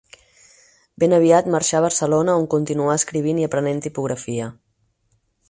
Ben aviat marxà a Barcelona on continuà escrivint i aprenent tipografia.